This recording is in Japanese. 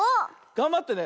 がんばってね。